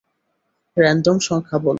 Random সংখ্যা বলো।